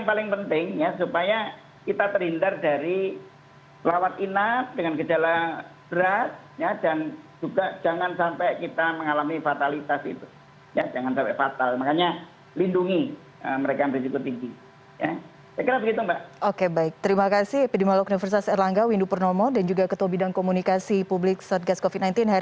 malam hari ini salam sehat selalu selamat malam